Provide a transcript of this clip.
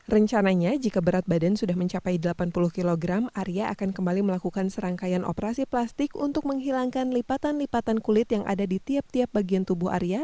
rencananya jika berat badan sudah mencapai delapan puluh kg arya akan kembali melakukan serangkaian operasi plastik untuk menghilangkan lipatan lipatan kulit yang ada di tiap tiap bagian tubuh arya